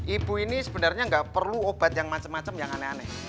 ibu ini sebenarnya enggak perlu obat yang macem macem yang aneh aneh